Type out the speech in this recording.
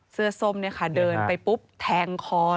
เสื้อส้มเนี่ยค่ะเดินไปปุ๊บแทงคอเลย